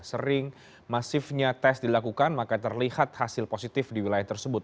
sering masifnya tes dilakukan maka terlihat hasil positif di wilayah tersebut